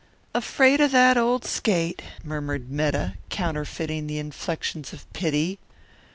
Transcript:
"Afraid of that old skate!" murmured Metta, counterfeiting the inflections of pity.